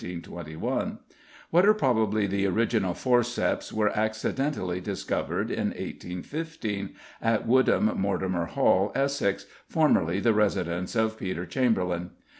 What are probably the original forceps were accidentally discovered, in 1815, at Woodham Mortimer Hall, Essex, formerly the residence of Peter Chamberlen.